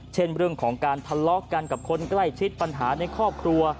เช่นเรื่องของการทะเลาะกันกับคนใกล้ชิดปัญหาในครอบครัว